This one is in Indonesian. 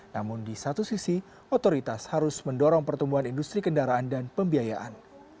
namun di satu sisi otoritas harus mendorong pertumbuhan industri kendaraan dan pembiayaan